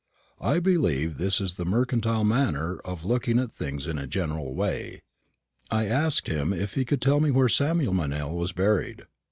I believe this is the mercantile manner of looking at things in a general way. I asked him if he could tell me where Samuel Meynell was buried.